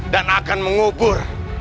dan akan mengubur